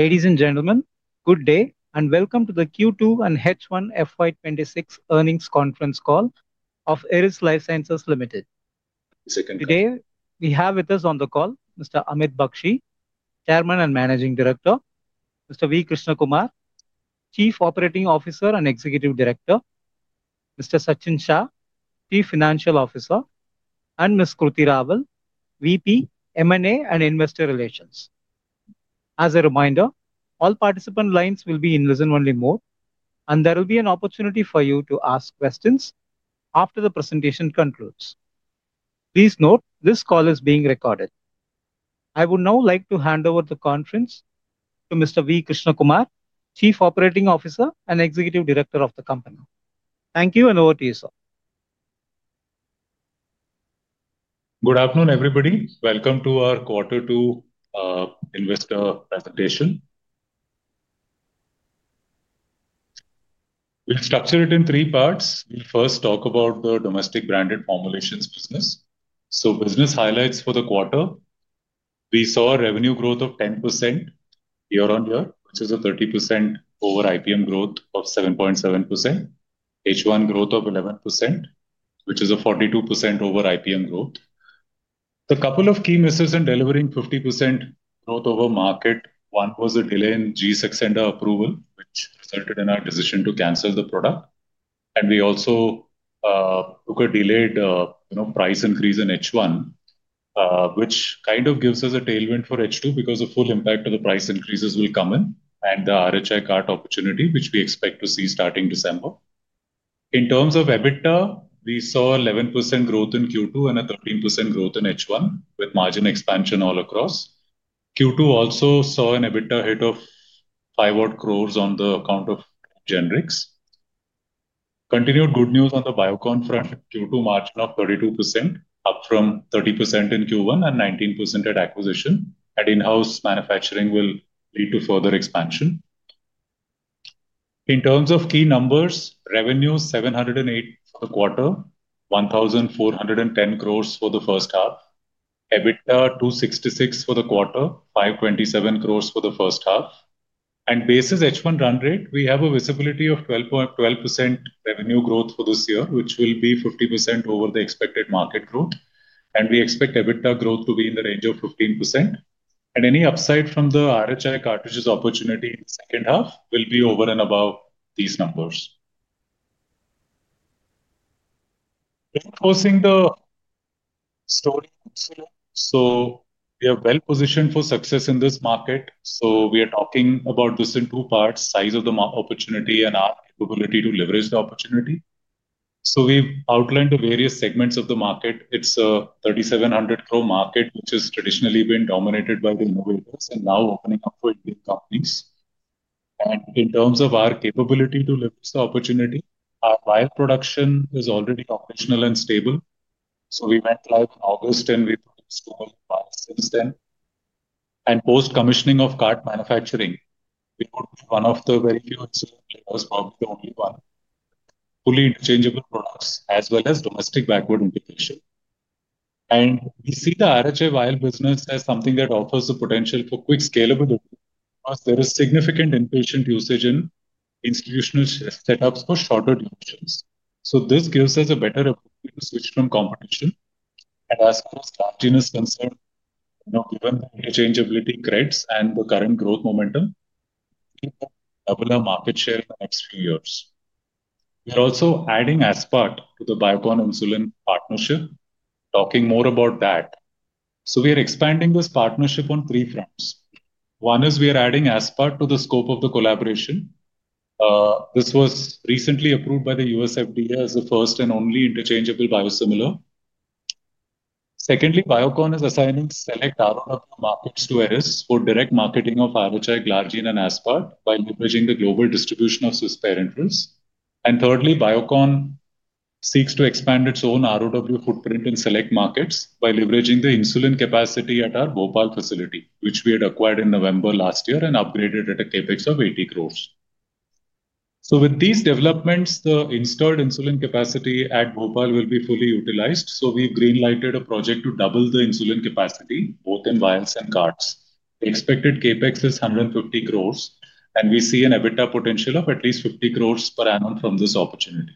Ladies and gentlemen, good day, and welcome to the Q2 and H1 FY 2026 earnings conference call of Eris Lifesciences Limited. Today, we have with us on the call Mr. Amit Bakshi, Chairman and Managing Director; Mr. V. Krishnakumar, Chief Operating Officer and Executive Director; Mr. Sachin Shah, Chief Financial Officer; and Ms. Kruti Raval, VP, M&A and Investor Relations. As a reminder, all participant lines will be in listen-only mode, and there will be an opportunity for you to ask questions after the presentation concludes. Please note, this call is being recorded. I would now like to hand over the conference to Mr. V. Krishnakumar, Chief Operating Officer and Executive Director of the company. Thank you, and over to you, sir. Good afternoon, everybody. Welcome to our quarter two investor presentation. We'll structure it in three parts. We'll first talk about the domestic branded formulations business. So, business highlights for the quarter: we saw a revenue growth of 10% year-on-year, which is a 30% over IPM growth of 7.7%. H1 growth of 11%, which is a 42% over IPM growth. The couple of key misses in delivering 50% growth over market: one was a delay in G6 sender approval, which resulted in our decision to cancel the product. We also took a delayed price increase in H1, which kind of gives us a tailwind for H2 because the full impact of the price increases will come in, and the RHI cart opportunity, which we expect to see starting December. In terms of EBITDA, we saw 11% growth in Q2 and a 13% growth in H1, with margin expansion all across. Q2 also saw an EBITDA hit of 500 crore on the account of generics. Continued good news on the Biocon front: Q2 margin of 32%, up from 30% in Q1 and 19% at acquisition, and in-house manufacturing will lead to further expansion. In terms of key numbers, revenue 708 crore for the quarter, 1,410 crore for the first half; EBITDA 266 crore for the quarter, 527 crore for the first half. On the basis of the H1 run rate, we have a visibility of 12% revenue growth for this year, which will be 50% over the expected market growth. We expect EBITDA growth to be in the range of 15%. Any upside from the RHI cartridges opportunity in the second half will be over and above these numbers. Closing the story, we are well-positioned for success in this market. We are talking about this in two parts: size of the opportunity and our capability to leverage the opportunity. We have outlined the various segments of the market. It is an 3,700 crore market, which has traditionally been dominated by the innovators and is now opening up for Indian companies. In terms of our capability to leverage the opportunity, our bio production is already operational and stable. We went live in August, and we have produced over five since then. Post-commissioning of cart manufacturing, we would be one of the very few excellent players, probably the only one, with fully interchangeable products as well as domestic backward implication. We see the RHI vial business as something that offers the potential for quick scalability because there is significant inpatient usage in institutional setups for shorter durations. This gives us a better ability to switch from competition. As far as continuous concern, given the interchangeability credits and the current growth momentum, we hope to double our market share in the next few years. We are also adding Aspart to the Biocon-Insulin partnership, talking more about that. We are expanding this partnership on three fronts. One is we are adding Aspart to the scope of the collaboration. This was recently approved by the U.S. FDA as the first and only interchangeable biosimilar. Secondly, Biocon is assigning select ROW markets to Eris for direct marketing of RHI Glargine and Aspart while leveraging the global distribution of Swiss Parenterals. Thirdly, Biocon seeks to expand its own ROW footprint in select markets by leveraging the insulin capacity at our Bhopal facility, which we had acquired in November last year and upgraded at a CapEx of 80 crore. With these developments, the installed insulin capacity at Bhopal will be fully utilized. We have greenlighted a project to double the insulin capacity, both in vials and carts. The expected CapEx is 150 crore, and we see an EBITDA potential of at least 50 crore per annum from this opportunity.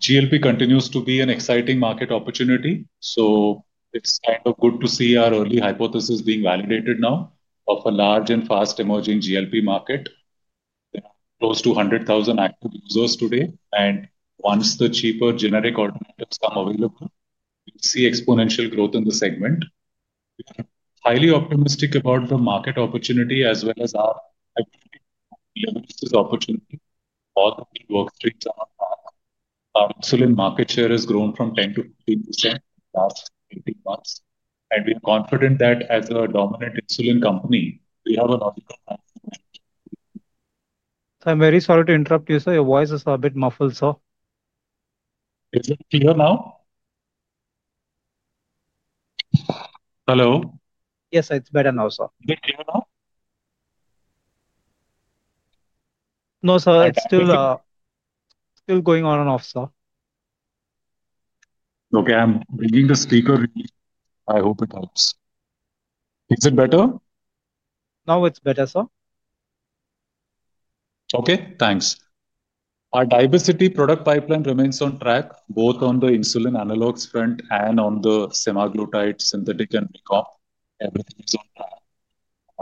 GLP continues to be an exciting market opportunity, so it is kind of good to see our early hypothesis being validated now of a large and fast emerging GLP market. There are close to 100,000 active users today, and once the cheaper generic alternatives become available, we see exponential growth in the segment. We are highly optimistic about the market opportunity as well as our opportunity. All the work streams are on track. Our insulin market share has grown from 10% to 15% in the last 18 months, and we are confident that as a dominant insulin company, we have a lot of. I'm very sorry to interrupt you, sir. Your voice is a bit muffled, sir. Is it clear now? Hello? Yes, it's better now, sir. Is it clear now? No, sir. It's still going on and off, sir. Okay. I'm bringing the speaker in. I hope it helps. Is it better? Now it's better, sir. Okay. Thanks. Our diversity product pipeline remains on track, both on the insulin analogs front and on the semaglutide, synthetic, and recon. Everything is on track,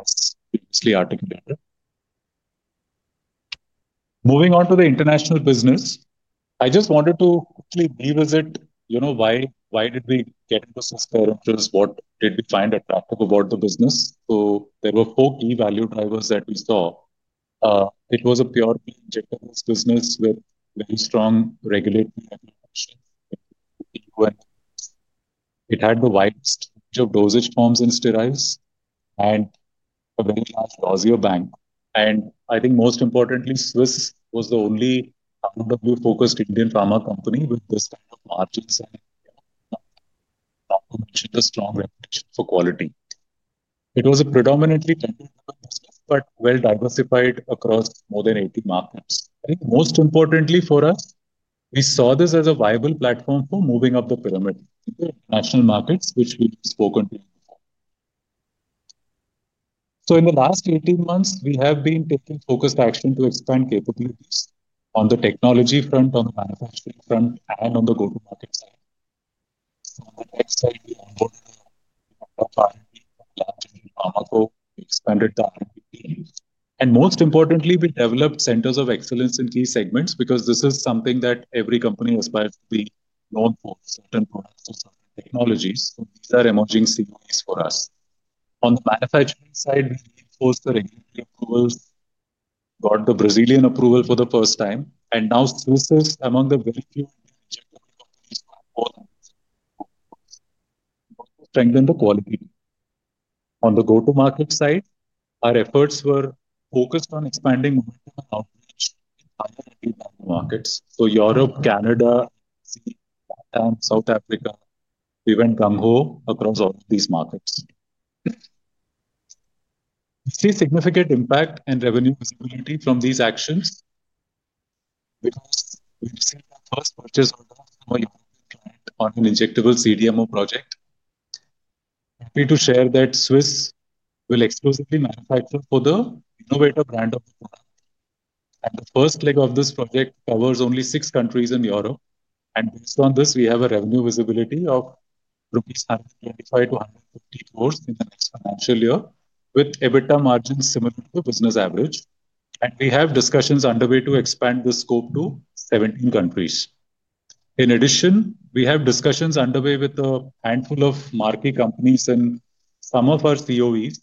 as previously articulated. Moving on to the international business, I just wanted to quickly revisit why did we get into Swiss Parenterals? What did we find attractive about the business? There were four key value drivers that we saw. It was a pure injectable business with very strong regulatory actions. It had the widest range of dosage forms and steroids and a very large dossier bank. I think most importantly, Swiss was the only ROW-focused Indian pharma company with this kind of margins. I will mention the strong reputation for quality. It was a predominantly technical business but well-diversified across more than 80 markets. I think most importantly for us, we saw this as a viable platform for moving up the pyramid in the international markets, which we've spoken to you before. In the last 18 months, we have been taking focused action to expand capabilities on the technology front, on the manufacturing front, and on the go-to-market side. On the next side, we onboarded a large pharma group, expanded the RPP. Most importantly, we developed centers of excellence in key segments because this is something that every company aspires to be known for, certain products or certain technologies. These are emerging COEs for us. On the manufacturing side, we enforced the regulatory approvals, got the Brazilian approval for the first time, and now Swiss is among the very few injectable companies who have more than that. We want to strengthen the quality. On the go-to-market side, our efforts were focused on expanding outreach in higher markets. Europe, Canada, and South Africa, we went gung ho across all of these markets. We see significant impact and revenue visibility from these actions because we've seen the first purchase order from a European client on an injectable CDMO project. Happy to share that Swiss will exclusively manufacture for the innovator brand of the product. The first leg of this project covers only six countries in Europe. Based on this, we have a revenue visibility of 125-150 crores rupees in the next financial year, with EBITDA margins similar to the business average. We have discussions underway to expand the scope to 17 countries. In addition, we have discussions underway with a handful of marquee companies and some of our COEs,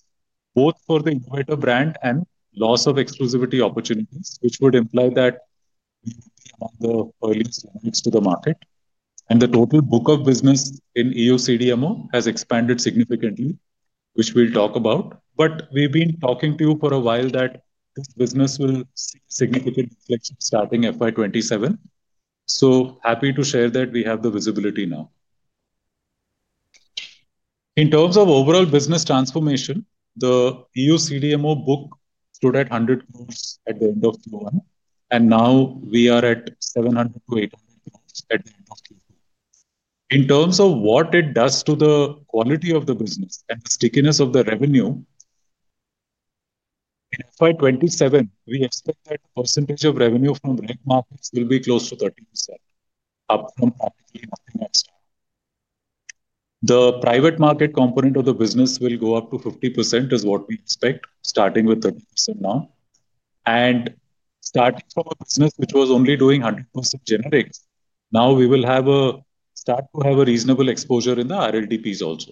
both for the innovator brand and loss of exclusivity opportunities, which would imply that we would be among the earliest units to the market. The total book of business in EU CDMO has expanded significantly, which we will talk about. We have been talking to you for a while that this business will see significant inflection starting FY 2027. I am happy to share that we have the visibility now. In terms of overall business transformation, the EU CDMO book stood at 100 crore at the end of Q1, and now we are at 700 crore-800 crore at the end of Q2. In terms of what it does to the quality of the business and the stickiness of the revenue, in FY 2027, we expect that the percentage of revenue from brand markets will be close to 30%, up from practically nothing at all. The private market component of the business will go up to 50% is what we expect, starting with 30% now. Starting from a business which was only doing 100% generics, now we will start to have a reasonable exposure in the RLDPs also.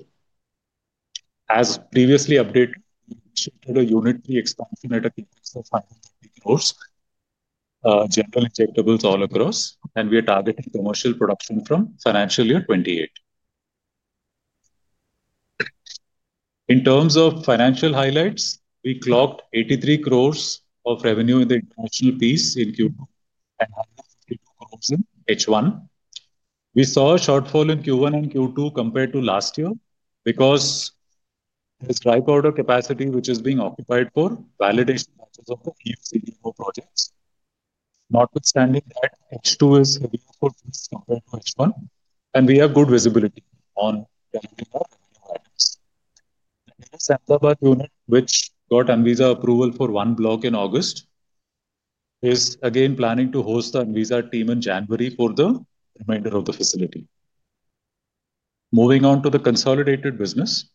As previously updated, we initiated a unitary expansion at a CapEx of 150 crore, general injectables all across, and we are targeting commercial production from financial year 2028. In terms of financial highlights, we clocked 83 crore of revenue in the international piece in Q2 and 152 crore in H1. We saw a shortfall in Q1 and Q2 compared to last year because there's dry powder capacity which is being occupied for validation batches of the EU CDMO projects. Notwithstanding that, H2 is heavier for compared to H1, and we have good visibility on revenue items. The Shamshabad unit, which got ANVISA approval for one block in August, is again planning to host the ANVISA team in January for the remainder of the facility. Moving on to the consolidated business,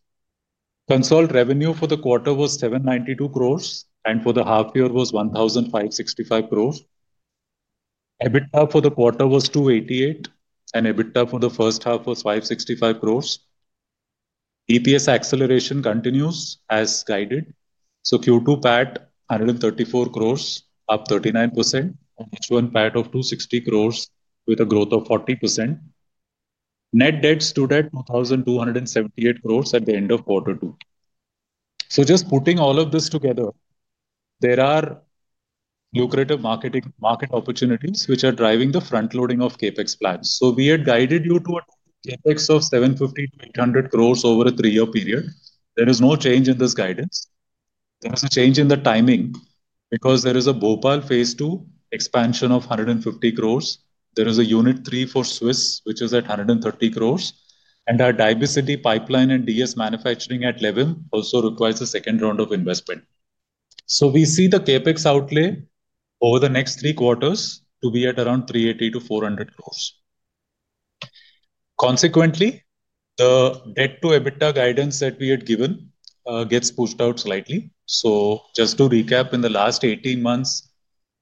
consult revenue for the quarter was 792 crores, and for the half year was 1,565 crores. EBITDA for the quarter was 288 crores, and EBITDA for the first half was 565 crores. EPS acceleration continues as guided. Q2 PAT 134 crores, up 39%, and H1 PAT of 260 crores, with a growth of 40%. Net debt stood at 2,278 crores at the end of quarter two. Just putting all of this together, there are lucrative market opportunities which are driving the front-loading of CapEx plans. We had guided you to a CapEx of 750 crore-800 crore over a three-year period. There is no change in this guidance. There is a change in the timing because there is a Bhopal phase II expansion of 150 crore. There is a unit three for Swiss, which is at 130 crore. Our diversity pipeline and DS manufacturing at Levim also requires a second round of investment. We see the CapEx outlay over the next three quarters to be at around 380 crore-400 crore. Consequently, the debt-to-EBITDA guidance that we had given gets pushed out slightly. Just to recap, in the last 18 months,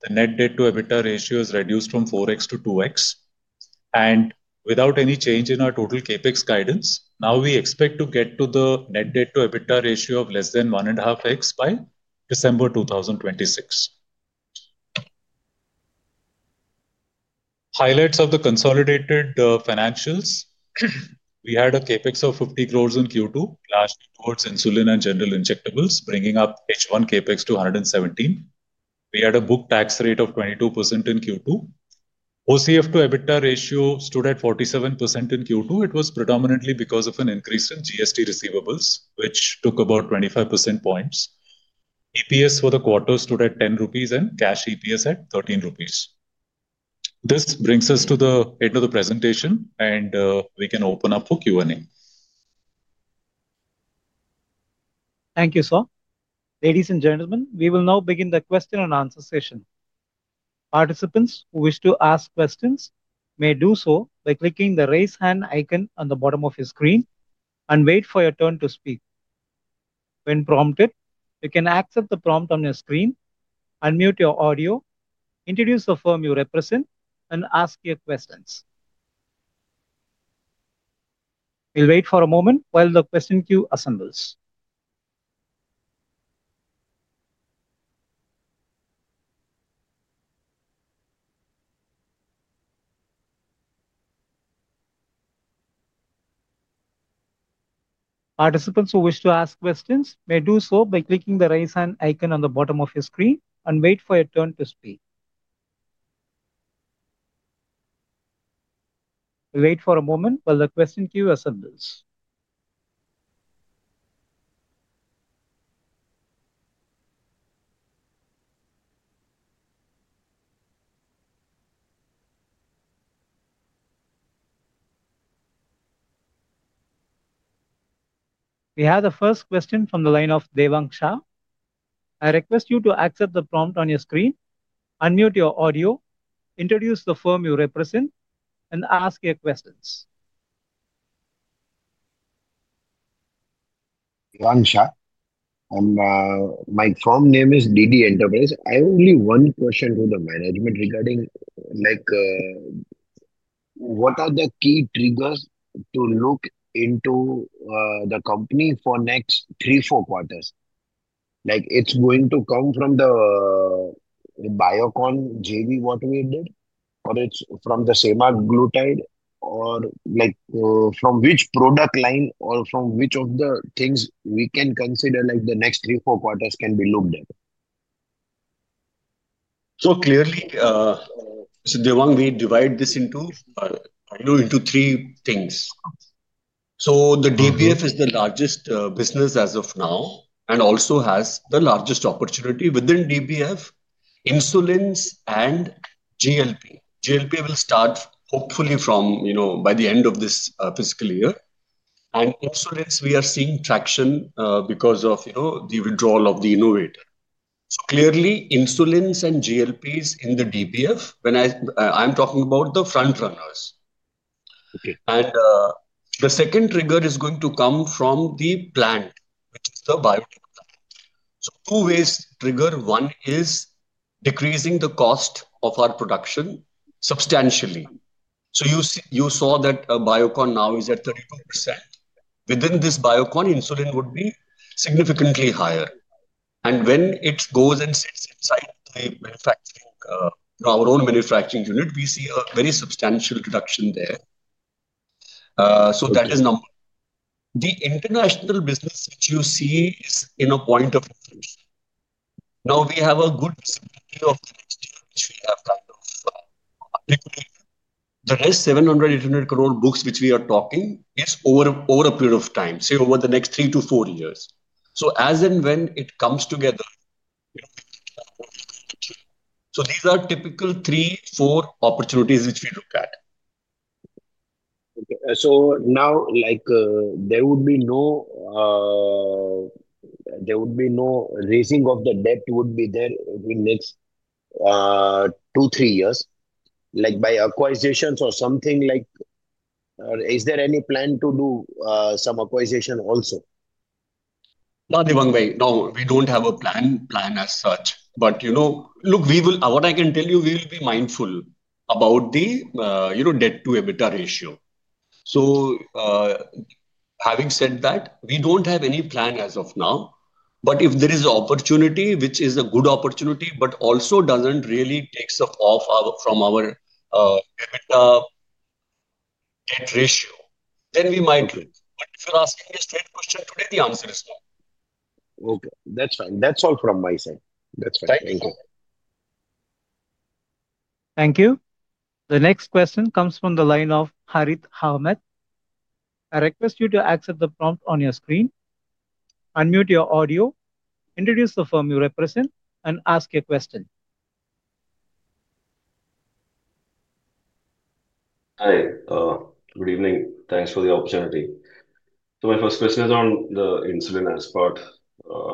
the net debt-to-EBITDA ratio has reduced from 4x to 2x. Without any change in our total CapEx guidance, now we expect to get to the net debt-to-EBITDA ratio of less than 1.5x by December 2026. Highlights of the consolidated financials: we had a CapEx of 50 crore in Q2, largely towards insulin and general injectables, bringing up H1 CapEx to 117 crore. We had a book tax rate of 22% in Q2. OCF-to-EBITDA ratio stood at 47% in Q2. It was predominantly because of an increase in GST receivables, which took about 25 percentage points. EPS for the quarter stood at 10 rupees and cash EPS at 13 rupees. This brings us to the end of the presentation, and we can open up for Q&A. Thank you, sir. Ladies and gentlemen, we will now begin the question-and-answer session. Participants who wish to ask questions may do so by clicking the raise hand icon on the bottom of your screen and wait for your turn to speak. When prompted, you can accept the prompt on your screen, unmute your audio, introduce the firm you represent, and ask your questions. We'll wait for a moment while the question queue assembles. We have the first question from the line of Devang Shah. I request you to accept the prompt on your screen, unmute your audio, introduce the firm you represent, and ask your questions. My firm name is D.D Enterprise. I have only one question to the management regarding what are the key triggers to look into the company for next three, four quarters? It's going to come from the Biocon JV, what we did, or it's from the semaglutide, or from which product line, or from which of the things we can consider the next three, four quarters can be looked at? Clearly, Devang, we divide this into three things. The DBF is the largest business as of now and also has the largest opportunity within DBF, insulins, and GLP. GLP will start, hopefully, by the end of this fiscal year. Insulins, we are seeing traction because of the withdrawal of the innovator. Clearly, insulins and GLPs in the DBF, I am talking about the frontrunners. The second trigger is going to come from the plant, which is the biotech plant. Two ways to trigger. One is decreasing the cost of our production substantially. You saw that Biocon now is at 32%. Within this Biocon, insulin would be significantly higher. When it goes and sits inside the manufacturing, our own manufacturing unit, we see a very substantial reduction there. That is number one. The international business, which you see, is in a point of reference. Now, we have a good visibility of the next year, which we have kind of articulated. The rest 700 crore-800 crore books, which we are talking, is over a period of time, say, over the next three to four years. As and when it comes together, we can see that potential. These are typical three, four opportunities which we look at. Now, there would be no raising of the debt-to-EBITDA in the next two, three years by acquisitions or something like, is there any plan to do some acquisition also? No, Devang, no, we don't have a plan as such. Look, what I can tell you, we will be mindful about the debt-to-EBITDA ratio. Having said that, we don't have any plan as of now. If there is an opportunity, which is a good opportunity, but also doesn't really take off from our EBITDA debt ratio, then we might do it. If you're asking me a straight question today, the answer is no. Okay. That's fine. Thank you. Thank you. The next question comes from the line of Harith Ahamed. I request you to accept the prompt on your screen, unmute your audio, introduce the firm you represent, and ask your question. Hi. Good evening. Thanks for the opportunity. My first question is on the insulin Aspart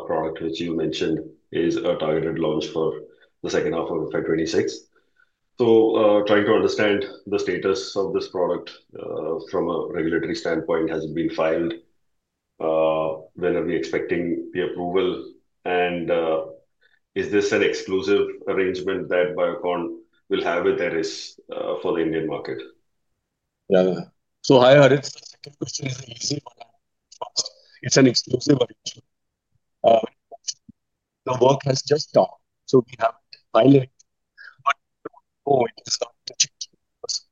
product, which you mentioned is a targeted launch for the second half of FY2026. Trying to understand the status of this product from a regulatory standpoint, has it been filed? When are we expecting the approval? Is this an exclusive arrangement that Biocon will have with Eris for the Indian market? Yeah. Hi, Harith. The second question is an easy one. It's an exclusive arrangement. The work has just started. We have filed it. We don't know. It is not the GLPs.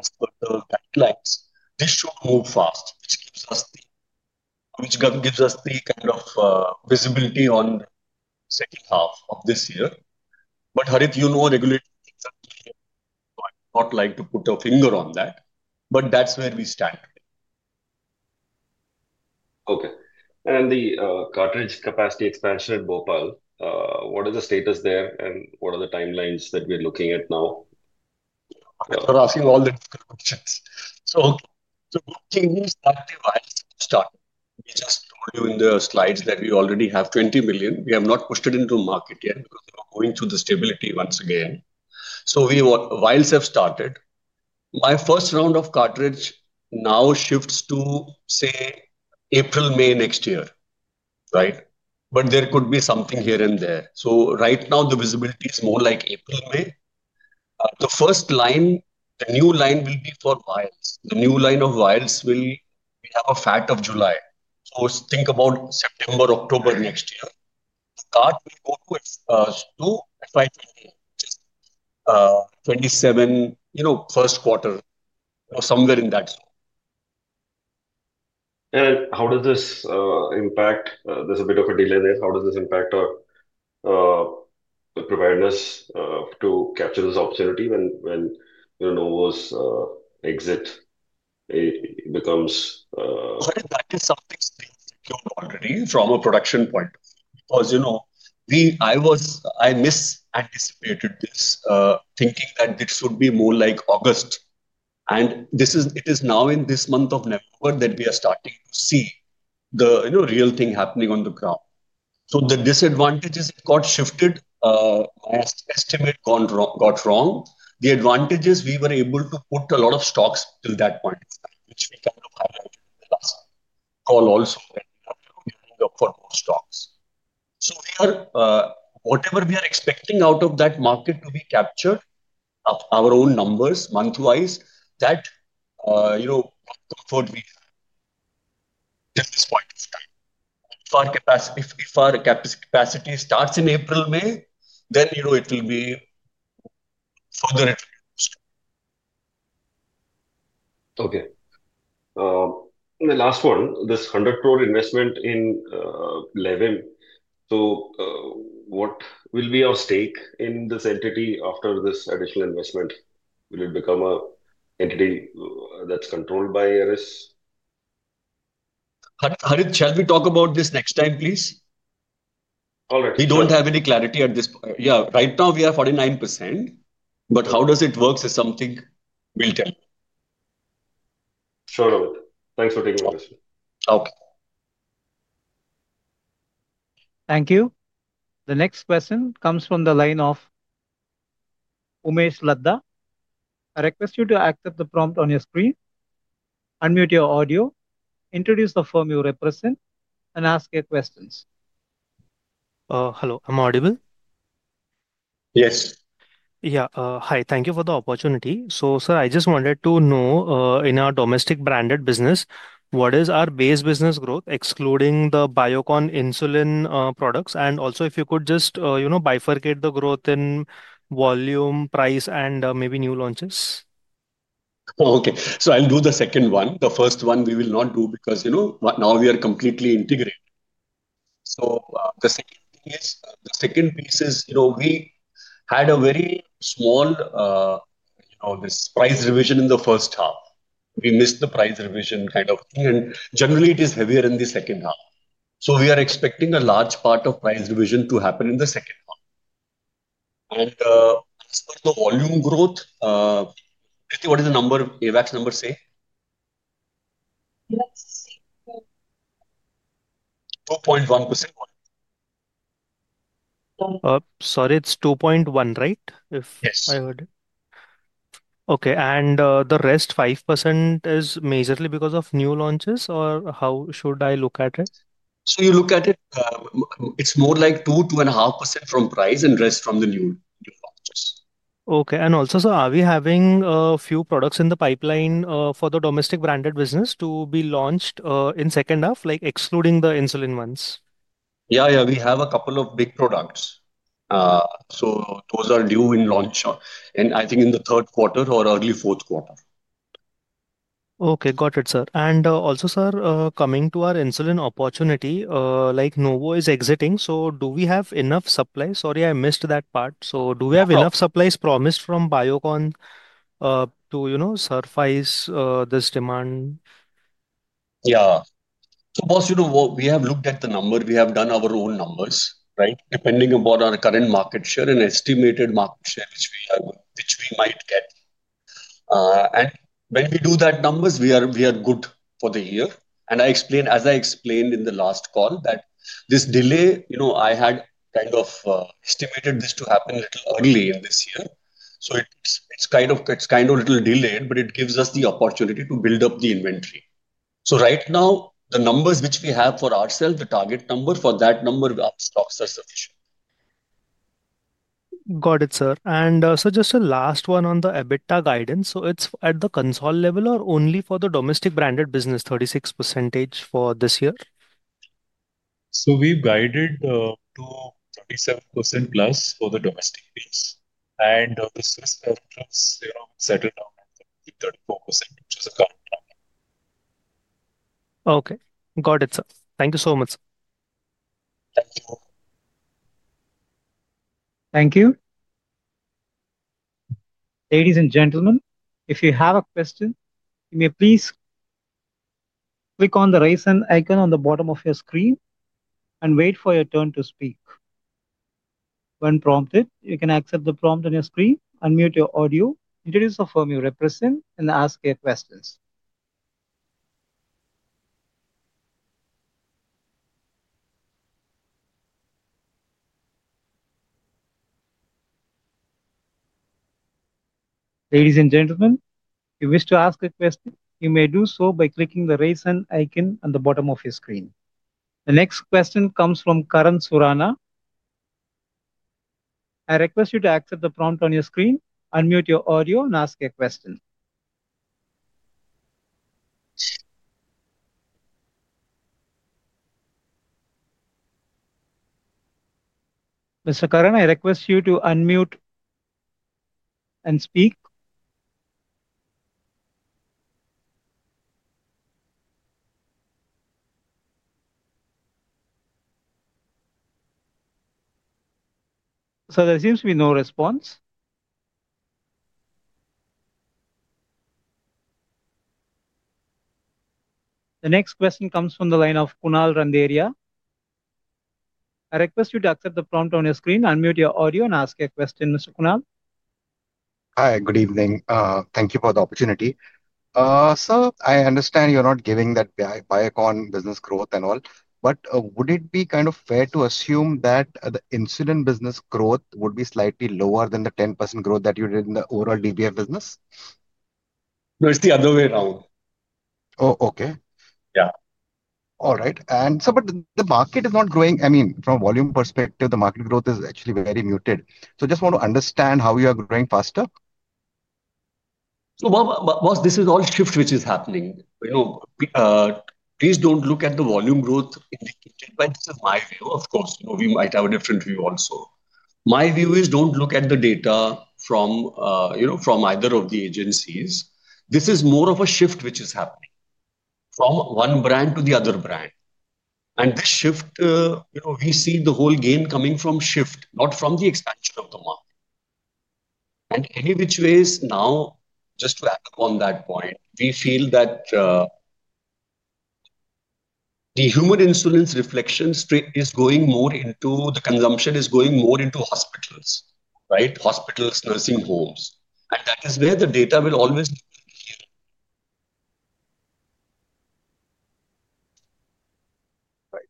As per the guidelines, this should move fast, which gives us the kind of visibility on the second half of this year. Harith, you know regulatory things are clear. I would not like to put a finger on that. That's where we stand today. Okay. The cartridge capacity expansion at Bhopal, what is the status there, and what are the timelines that we are looking at now? Thanks for asking all the difficult questions. The good thing is that the vials have started. We just told you in the slides that we already have 20 million. We have not pushed it into market yet because we were going through the stability once again. Vials have started. My first round of cartridge now shifts to, say, April, May next year, right? There could be something here and there. Right now, the visibility is more like April, May. The first line, the new line will be for vials. The new line of vials will have a FAT of July. Think about September, October next year. The cart will go to FY 2027, which is 2027, first quarter, somewhere in that zone. How does this impact? There's a bit of a delay there. How does this impact the preparedness to capture this opportunity when Novo's exit becomes? That is something to be thinking about already from a production point of view. Because I misanticipated this, thinking that it should be more like August. It is now in this month of November that we are starting to see the real thing happening on the ground. The disadvantages, it got shifted. My estimate got wrong. The advantages, we were able to put a lot of stocks till that point of time, which we kind of highlighted in the last call also, that we have to be gearing up for more stocks. Whatever we are expecting out of that market to be captured, our own numbers, month-wise, that comfort we have till this point of time. If our capacity starts in April, May, then it will be further introduced. Okay. The last one, this 100 crore investment in Levim. So what will be our stake in this entity after this additional investment? Will it become an entity that's controlled by Eris? Harith, shall we talk about this next time, please? All right. We don't have any clarity at this point. Yeah. Right now, we are 49%. How does it work is something we'll tell you. Sure of it. Thanks for taking the question. Okay. Thank you. The next question comes from the line of. I request you to accept the prompt on your screen, unmute your audio, introduce the firm you represent, and ask your questions. Hello. Am I audible? Yes. Yeah. Hi. Thank you for the opportunity. Sir, I just wanted to know, in our domestic branded business, what is our base business growth, excluding the Biocon insulin products? Also, if you could just bifurcate the growth in volume, price, and maybe new launches. Okay. I'll do the second one. The first one we will not do because now we are completely integrated. The second piece is we had a very small, this price revision in the first half. We missed the price revision kind of thing. Generally, it is heavier in the second half. We are expecting a large part of price revision to happen in the second half. As per the volume growth, what is the number, AVAX number, say? 2.1% volume. Sorry, it's 2.1, right? Yes. Okay. The rest, 5%, is majorly because of new launches, or how should I look at it? You look at it, it's more like 2%-2.5% from price and rest from the new launches. Okay. Also, sir, are we having a few products in the pipeline for the domestic branded business to be launched in the second half, excluding the insulin ones? Yeah, yeah. We have a couple of big products. So those are due in launch, and I think in the third quarter or early fourth quarter. Okay. Got it, sir. Also, sir, coming to our insulin opportunity, Novo is exiting. Do we have enough supplies? Sorry, I missed that part. Do we have enough supplies promised from Biocon to surface this demand? Yeah. We have looked at the number. We have done our own numbers, right, depending upon our current market share and estimated market share which we might get. When we do that numbers, we are good for the year. As I explained in the last call, this delay, I had kind of estimated this to happen a little early in this year. It is kind of a little delayed, but it gives us the opportunity to build up the inventory. Right now, the numbers which we have for ourselves, the target number for that number of stocks are sufficient. Got it, sir. And just a last one on the EBITDA guidance. Is it at the console level or only for the domestic branded business, 36% for this year? We've guided to 37%+ for the domestic piece. The Swiss customers settled down at 34%, which is a current number. Okay. Got it, sir. Thank you so much, sir. Thank you. Ladies and gentlemen, if you have a question, you may please click on the raise hand icon on the bottom of your screen and wait for your turn to speak. When prompted, you can accept the prompt on your screen, unmute your audio, introduce the firm you represent, and ask your questions. Ladies and gentlemen, if you wish to ask a question, you may do so by clicking the raise hand icon on the bottom of your screen. The next question comes from Karan Surana. I request you to accept the prompt on your screen, unmute your audio, and ask your question. Mr. Karan, I request you to unmute and speak. There seems to be no response. The next question comes from the line of Kunal Randeria. I request you to accept the prompt on your screen, unmute your audio, and ask your question. Mr. Kunal? Hi. Good evening. Thank you for the opportunity. Sir, I understand you're not giving that Biocon business growth and all. Would it be kind of fair to assume that the insulin business growth would be slightly lower than the 10% growth that you did in the overall DBF business? No, it's the other way around. Oh, okay. Yeah. All right. Sir, the market is not growing. I mean, from a volume perspective, the market growth is actually very muted. I just want to understand how you are growing faster. This is all shift which is happening. Please do not look at the volume growth in the interim. This is my view, of course. We might have a different view also. My view is do not look at the data from either of the agencies. This is more of a shift which is happening from one brand to the other brand. This shift, we see the whole gain coming from shift, not from the expansion of the market. Any which ways now, just to act upon that point, we feel that the human insulin's reflection is going more into the consumption is going more into hospitals, right? Hospitals, nursing homes. That is where the data will always be here.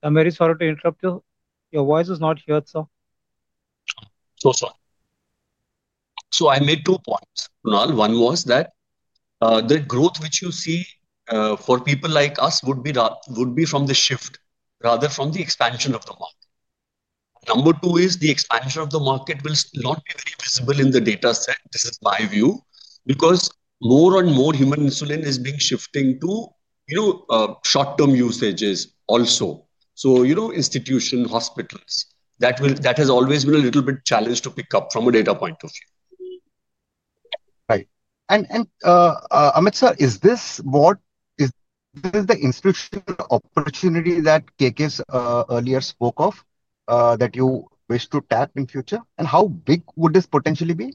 I'm very sorry to interrupt you. Your voice is not heard, sir. Sorry. I made two points, Kunal. One was that the growth which you see for people like us would be from the shift, rather from the expansion of the market. Number two is the expansion of the market will not be very visible in the data set. This is my view. Because more and more human insulin is being shifting to short-term usages also. Institutions, hospitals, that has always been a little bit challenged to pick up from a data point of view. Right. Amit sir, is this what is the institutional opportunity that [KKS] earlier spoke of that you wish to tap in future? How big would this potentially be?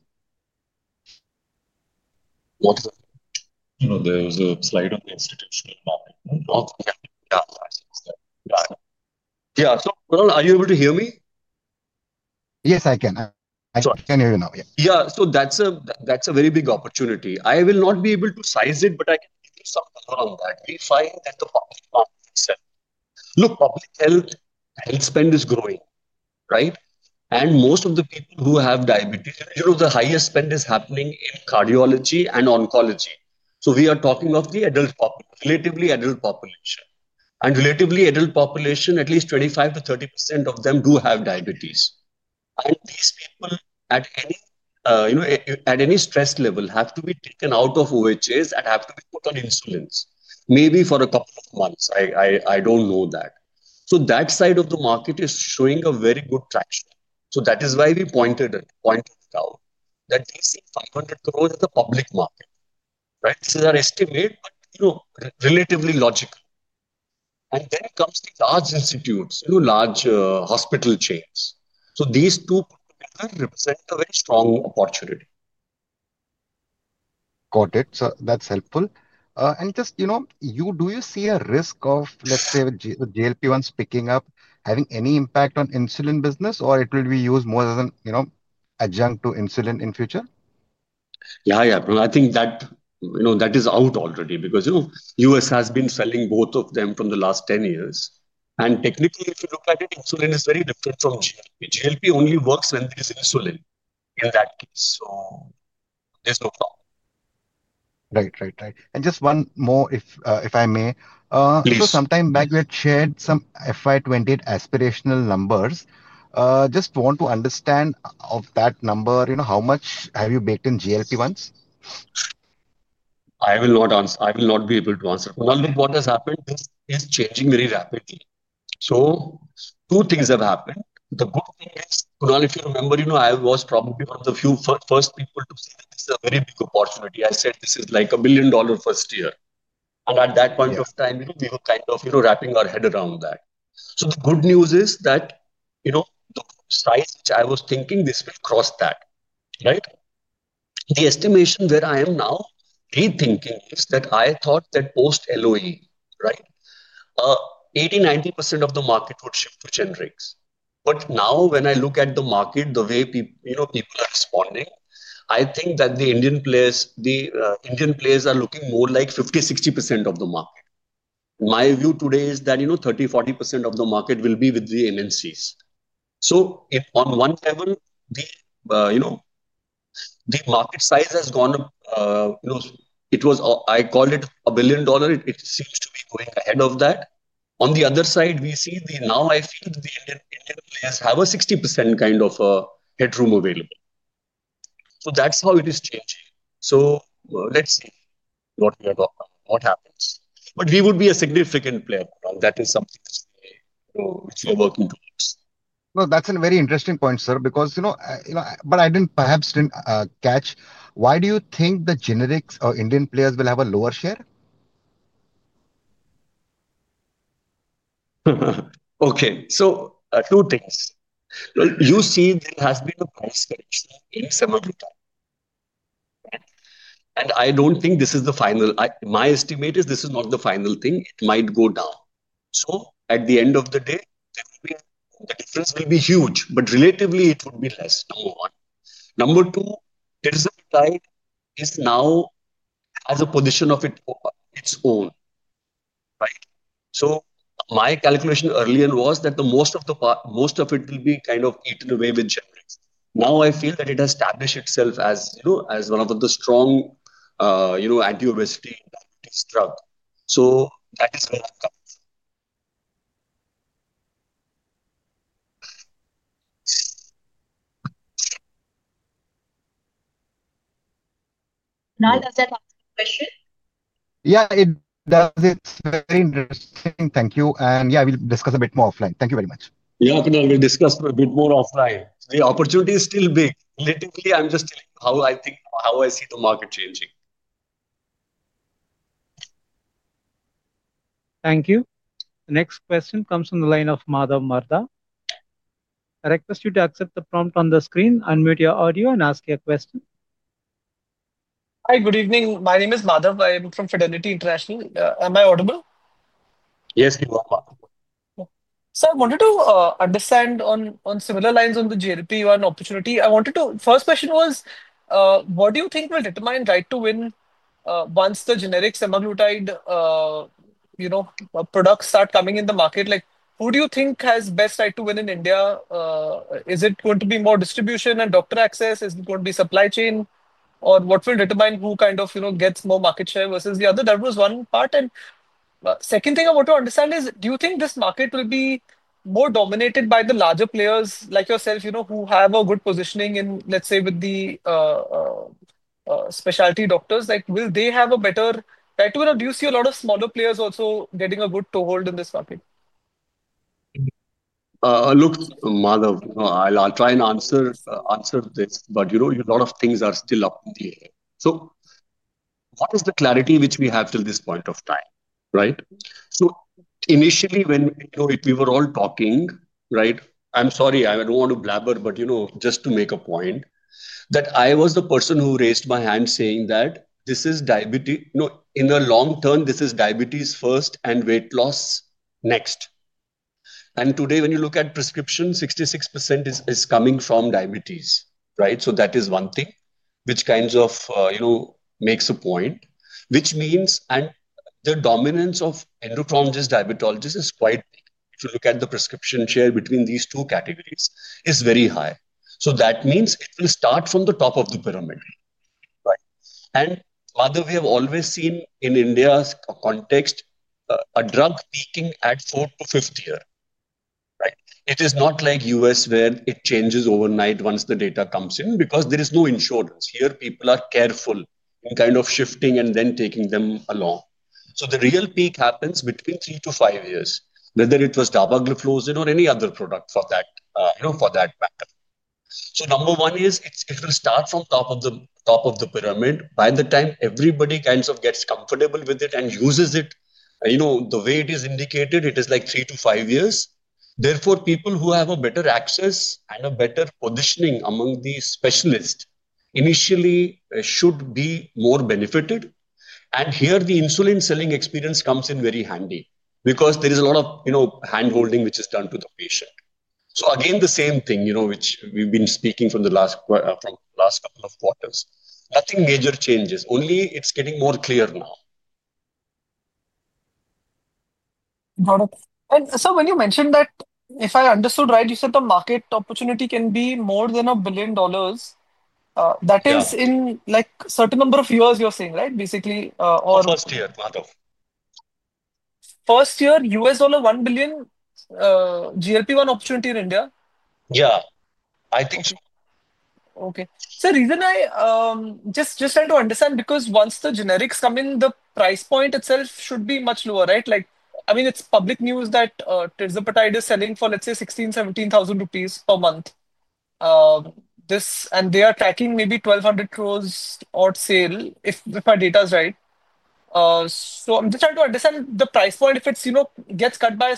What is the? There was a slide on the institutional market. Yeah. Kunal, are you able to hear me? Yes, I can. I can hear you now. Yeah. That is a very big opportunity. I will not be able to size it, but I can give you some color on that. We find that the public health spend is growing, right? Most of the people who have diabetes, the highest spend is happening in cardiology and oncology. We are talking of the relatively adult population. In the relatively adult population, at least 25%-30% of them do have diabetes. These people, at any stress level, have to be taken out of OHS and have to be put on insulins, maybe for a couple of months. I do not know that. That side of the market is showing very good traction. That is why we pointed it out, that these 500 crore is the public market, right? This is our estimate, but relatively logical. Then comes the large institutes, large hospital chains. These two put together represent a very strong opportunity. Got it. That's helpful. Do you see a risk of, let's say, the GLP-1s picking up having any impact on insulin business, or it will be used more as an adjunct to insulin in future? Yeah, yeah. I think that is out already because U.S. has been selling both of them from the last 10 years. And technically, if you look at it, insulin is very different from GLP. GLP only works when there is insulin in that case. So there's no problem. Right, right, right. Just one more, if I may. Please. Because some time back, we had shared some FY 2028 aspirational numbers. Just want to understand of that number, how much have you baked in GLP-1s? I will not answer. I will not be able to answer. Look, what has happened is changing very rapidly. Two things have happened. The good thing is, Kunal, if you remember, I was probably one of the first people to say that this is a very big opportunity. I said this is like $1 billion first year. At that point of time, we were kind of wrapping our head around that. The good news is that the size which I was thinking, this will cross that, right? The estimation where I am now, rethinking is that I thought that post-LOE, 80%-90% of the market would shift to generics. Now, when I look at the market, the way people are responding, I think that the Indian players are looking more like 50%, 60% of the market. My view today is that 30%, 40% of the market will be with the MNCs. On one level, the market size has gone up. I call it $1 billion; it seems to be going ahead of that. On the other side, I feel the Indian players have a 60% kind of headroom available. That is how it is changing. Let us see what we are talking about, what happens. We would be a significant player, and that is something which we are working towards. That's a very interesting point, sir, because I didn't perhaps catch. Why do you think the generics or Indian players will have a lower share? Okay. Two things. You see, there has been a price correction in some of the time. I don't think this is the final. My estimate is this is not the final thing. It might go down. At the end of the day, the difference will be huge, but relatively, it would be less. Number one. Number two, tirzepatide now has a position of its own, right? My calculation earlier was that most of it will be kind of eaten away with generics. Now I feel that it has established itself as one of the strong anti-obesity and diabetes drugs. That is where I'm coming from. Kunal, does that answer your question? Yeah, it does. It is very interesting. Thank you. Yeah, we will discuss a bit more offline. Thank you very much. Yeah, Kunal, we'll discuss a bit more offline. The opportunity is still big. Relatively, I'm just telling you how I think, how I see the market changing. Thank you. The next question comes from the line of Madhav Marda. I request you to accept the prompt on the screen, unmute your audio, and ask your question. Hi, good evening. My name is Madhav. I am from Fidelity International. Am I audible? Yes, you are, Madhav. Sir, I wanted to understand on similar lines on the GLP-1 opportunity. I wanted to, first question was, what do you think will determine right to win once the generic semaglutide products start coming in the market? Who do you think has best right to win in India? Is it going to be more distribution and doctor access? Is it going to be supply chain? Or what will determine who kind of gets more market share versus the other? That was one part. Second thing I want to understand is, do you think this market will be more dominated by the larger players like yourself who have a good positioning in, let's say, with the specialty doctors? Will they have a better right to win? Or do you see a lot of smaller players also getting a good toehold in this market? Look, Madhav, I'll try and answer this, but a lot of things are still up in the air. What is the clarity which we have till this point of time, right? Initially, when we were all talking, right? I'm sorry, I don't want to blabber, but just to make a point, that I was the person who raised my hand saying that this is diabetes in the long term, this is diabetes first and weight loss next. Today, when you look at prescription, 66% is coming from diabetes, right? That is one thing which kind of makes a point, which means the dominance of endocrinologists, diabetologists is quite big. If you look at the prescription share between these two categories, it's very high. That means it will start from the top of the pyramid, right? Rather, we have always seen in India's context a drug peaking at the fourth to fifth year, right? It is not like the U.S. where it changes overnight once the data comes in because there is no insurance. Here, people are careful in kind of shifting and then taking them along. The real peak happens between three to five years, whether it was dapagliflozin or any other product for that matter. Number one is it will start from the top of the pyramid; by the time everybody kind of gets comfortable with it and uses it the way it is indicated, it is like three to five years. Therefore, people who have better access and a better positioning among the specialists initially should be more benefited. The insulin selling experience comes in very handy because there is a lot of handholding which is done to the patient. Again, the same thing which we've been speaking from the last couple of quarters. Nothing major changes. Only it's getting more clear now. Got it. Sir, when you mentioned that, if I understood right, you said the market opportunity can be more than $1 billion. That is in a certain number of years, you are saying, right? Basically. First year, Madhav. First year, $1 billion, GLP-1 opportunity in India? Yeah. I think so. Okay. The reason I am just trying to understand is because once the generics comes in, the price point itself should be much lower, right? I mean, it is public news that tirzepatide is selling for, let's say, 16,000, 17,000 rupees per month. They are tracking maybe 1,200 crore of sale if my data is right. I am just trying to understand the price point if it gets cut by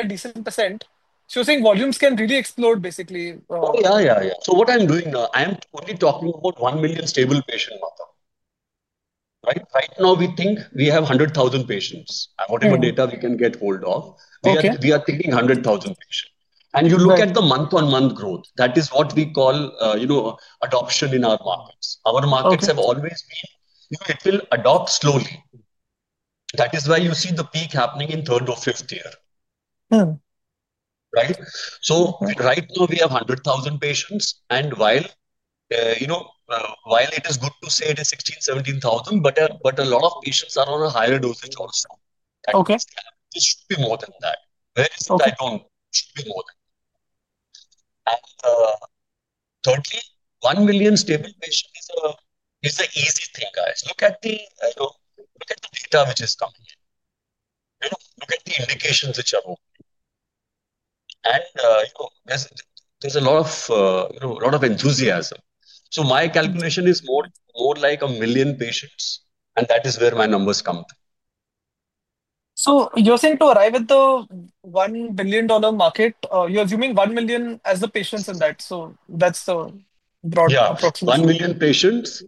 a decent percent. You are saying volumes can really explode, basically. Yeah, yeah, yeah. What I'm doing now, I am only talking about 1 million stable patient, Madhav. Right now, we think we have 100,000 patients. Whatever data we can get hold of, we are thinking 100,000 patients. You look at the month-on-month growth, that is what we call adoption in our markets. Our markets have always been it will adopt slowly. That is why you see the peak happening in third or fifth year, right? Right now, we have 100,000 patients. While it is good to say it is 16,000, 17,000, a lot of patients are on a higher dosage also. This should be more than that. Where is it I don't know. It should be more than that. Thirdly, 1 million stable patient is an easy thing, guys. Look at the data which is coming in. Look at the indications which are open. There is a lot of enthusiasm. My calculation is more like a million patients, and that is where my numbers come from. You're saying to arrive at the $1 billion market, you're assuming 1 million as the patients in that. That's the broad approximation. Yeah. 1 million patients,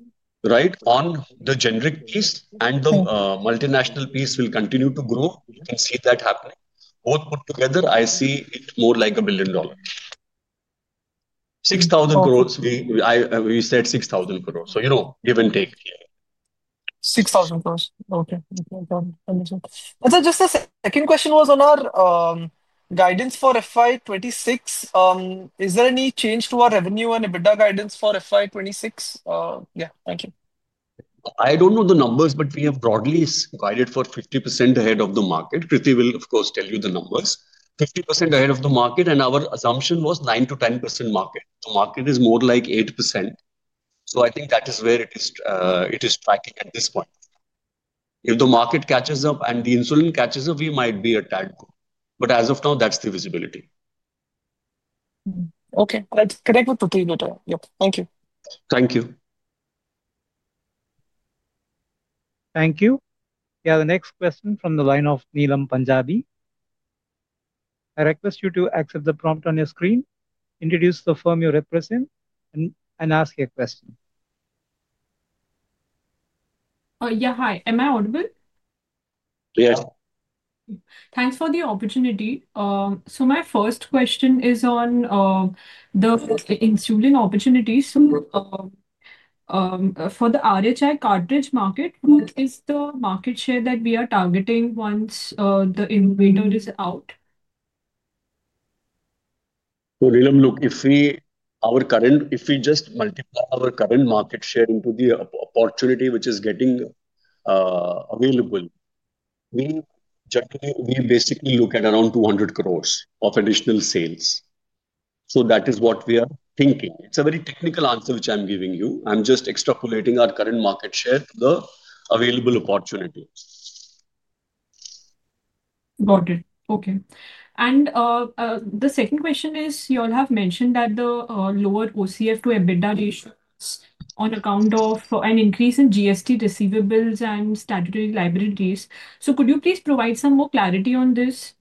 right, on the generic piece, and the multinational piece will continue to grow. You can see that happening. Both put together, I see it more like $1 billion. 6,000 crore, we said 6,000 crore. So give and take here. 6,000 crore. Okay. Understood. Sir, just a second question was on our guidance for FY 2026. Is there any change to our revenue and EBITDA guidance for FY 2026? Yeah. Thank you. I don't know the numbers, but we have broadly guided for 50% ahead of the market. Kruti will, of course, tell you the numbers. 50% ahead of the market, and our assumption was 9%-10% market. The market is more like 8%. I think that is where it is tracking at this point. If the market catches up and the insulin catches up, we might be a tad good. As of now, that's the visibility. Okay. That's correct with Kruti's data. Yep. Thank you. Thank you. Thank you. We have the next question from the line of [Neelam Panjabi]. I request you to accept the prompt on your screen, introduce the firm you represent, and ask your question. Yeah, hi. Am I audible? Yes. Thanks for the opportunity. My first question is on the insulin opportunities. For the RHI cartridge market, what is the market share that we are targeting once the innovator is out? [Neelam], look, if we just multiply our current market share into the opportunity which is getting available, we basically look at around 2.00 billion of additional sales. That is what we are thinking. It is a very technical answer which I am giving you. I am just extrapolating our current market share to the available opportunity. Got it. Okay. The second question is, you all have mentioned that the lower OCF to EBITDA ratios are on account of an increase in GST receivables and statutory liabilities. Could you please provide some more clarity on this?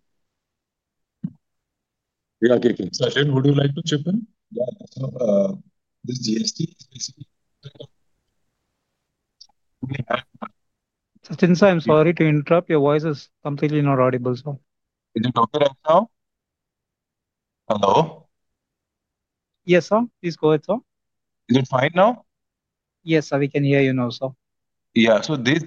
Sachin, would you like to chip in? Sachin sir, I'm sorry to interrupt. Your voice is completely not audible, sir. Is it okay right now? Hello? Yes, sir. Please go ahead, sir. Is it fine now? Yes, sir. We can hear you now, sir. Yeah. These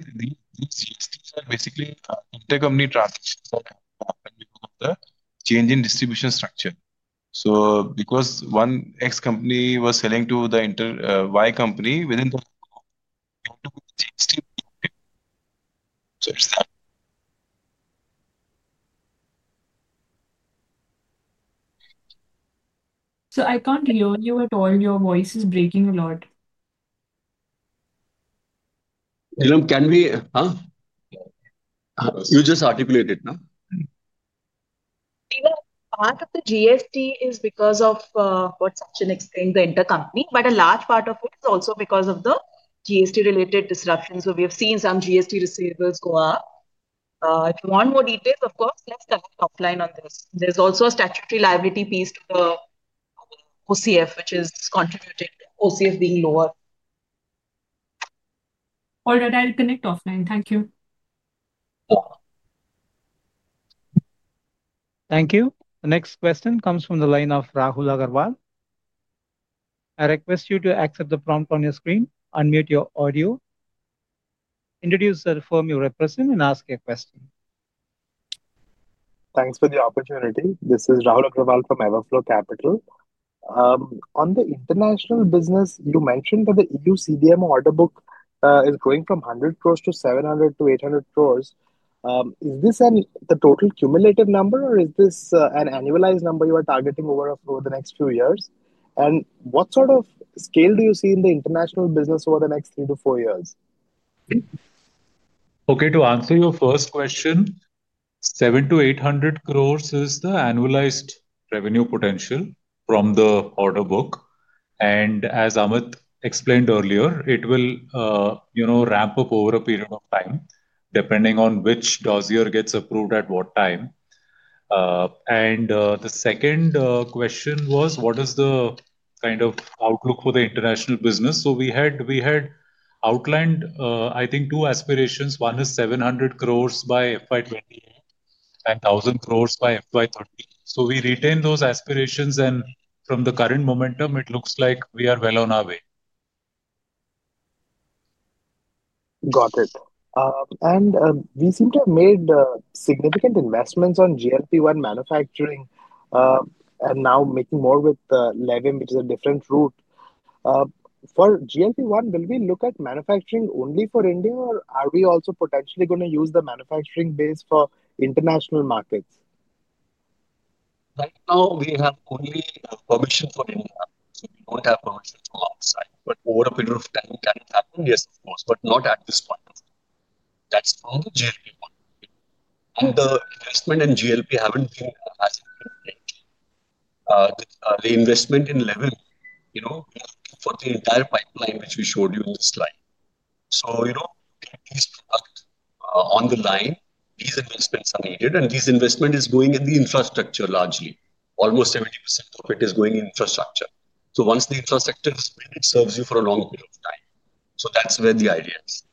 GSTs are basically intercompany transactions that happen because of the change in distribution structure. Because one X company was selling to the Y company within the company, it is that. I can't hear you at all. Your voice is breaking a lot. [Neelam], can we? You just articulate it now. Neelam, part of the GST is because of what Sachin explained, the intercompany. A large part of it is also because of the GST-related disruptions. We have seen some GST receivables go up. If you want more details, of course, let's connect offline on this. There is also a statutory liability piece to the OCF, which is contributing to OCF being lower. All right. I'll connect offline. Thank you. Thank you. The next question comes from the line of Rahul Agarwal. I request you to accept the prompt on your screen, unmute your audio, introduce the firm you represent, and ask your question. Thanks for the opportunity. This is Rahul Agarwal from EverFlow Capital. On the international business, you mentioned that the EU CDMO order book is growing from 100 crore to 700 crore-800 crore. Is this the total cumulative number, or is this an annualized number you are targeting over the next few years? What sort of scale do you see in the international business over the next three to four years? Okay. To answer your first question, 700 crore-800 crore is the annualized revenue potential from the order book. As Amit explained earlier, it will ramp up over a period of time depending on which dossier gets approved at what time. The second question was, what is the kind of outlook for the international business? We had outlined, I think, two aspirations. One is 700 crore by FY 2028 and 1,000 crore by FY 2030. We retained those aspirations. From the current momentum, it looks like we are well on our way. Got it. We seem to have made significant investments on GLP-1 manufacturing and now making more with Levim, which is a different route. For GLP-1, will we look at manufacturing only for India, or are we also potentially going to use the manufacturing base for international markets? Right now, we have only permission for India. We do not have permission for outside. Over a period of time, that will be accepted, yes, of course, but not at this point. That is on the GLP-1. The investment in GLP has not been as significant. The investment in Levim, we are looking for the entire pipeline, which we showed you on the slide. To get these products on the line, these investments are needed. This investment is going in the infrastructure largely. Almost 70% of it is going in infrastructure. Once the infrastructure is built, it serves you for a long period of time. That is where the idea is.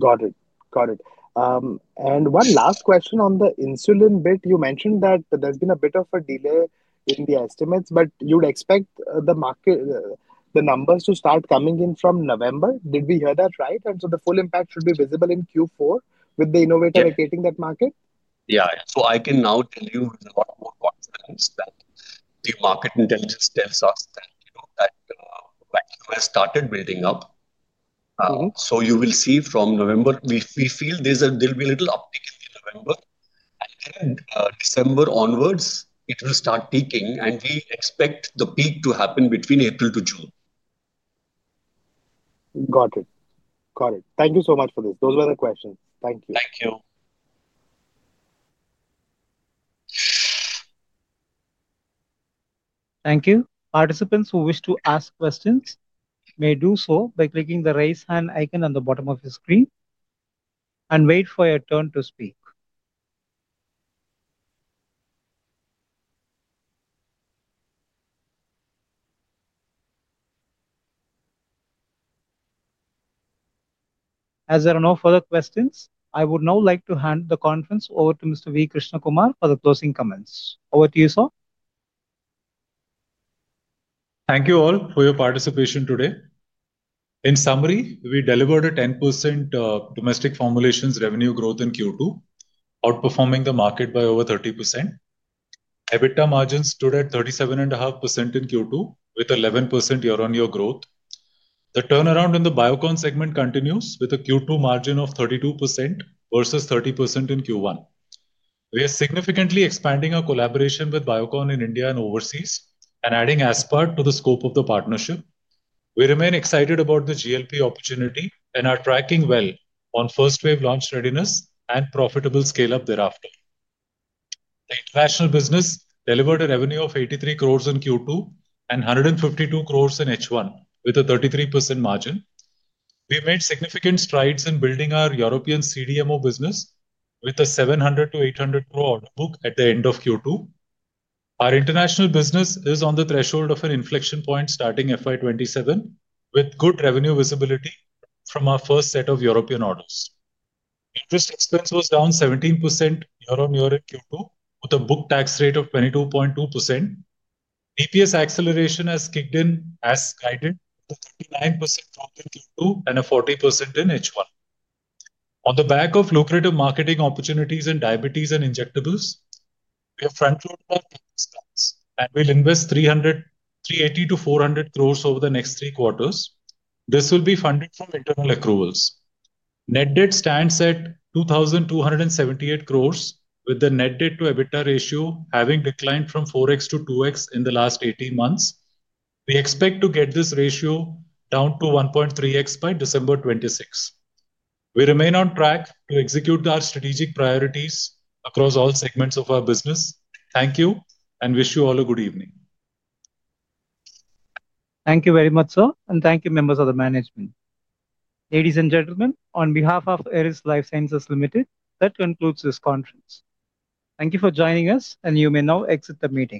Got it. Got it. One last question on the insulin bit. You mentioned that there's been a bit of a delay in the estimates, but you'd expect the numbers to start coming in from November. Did we hear that right? The full impact should be visible in Q4 with the innovator hitting that market? Yeah. I can now tell you with a lot more confidence that the market intelligence tells us that the value has started building up. You will see from November, we feel there'll be a little uptick in November. December onwards, it will start peaking. We expect the peak to happen between April to June. Got it. Got it. Thank you so much for this. Those were the questions. Thank you. Thank you. Thank you. Participants who wish to ask questions may do so by clicking the raise hand icon on the bottom of your screen and wait for your turn to speak. As there are no further questions, I would now like to hand the conference over to Mr. V. Krishnakumar for the closing comments. Over to you, sir. Thank you all for your participation today. In summary, we delivered a 10% domestic formulations revenue growth in Q2, outperforming the market by over 30%. EBITDA margins stood at 37.5% in Q2 with 11% year-on-year growth. The turnaround in the Biocon segment continues with a Q2 margin of 32% versus 30% in Q1. We are significantly expanding our collaboration with Biocon in India and overseas and adding Aspart to the scope of the partnership. We remain excited about the GLP opportunity and are tracking well on first-wave launch readiness and profitable scale-up thereafter. The international business delivered a revenue of 83 crore in Q2 and 152 crore in H1 with a 33% margin. We made significant strides in building our European CDMO business with a 700-800 crore order book at the end of Q2. Our international business is on the threshold of an inflection point starting FY 2027 with good revenue visibility from our first set of European orders. Interest expense was down 17% year-on-year in Q2 with a book tax rate of 22.2%. EPS acceleration has kicked in as guided with a 39% growth in Q2 and a 40% in H1. On the back of lucrative marketing opportunities in diabetes and injectables, we have front-loaded our expense. We will invest 380-400 crore over the next three quarters. This will be funded from internal accruals. Net debt stands at 2,278 crore, with the net debt to EBITDA ratio having declined from 4x to 2x in the last 18 months. We expect to get this ratio down to 1.3x by December 2026. We remain on track to execute our strategic priorities across all segments of our business. Thank you and wish you all a good evening. Thank you very much, sir. Thank you, members of the management. Ladies and gentlemen, on behalf of Eris Lifesciences Limited, that concludes this conference. Thank you for joining us, and you may now exit the meeting.